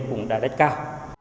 cũng đã rất cao